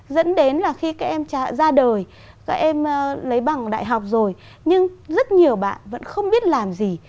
dẫn đến là khi các em ra đời các em lấy bằng đại học rồi nhưng rất nhiều bạn vẫn không biết làm gì